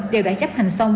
đều đã chấp hành xong